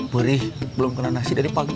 gurih belum kena nasi dari pagi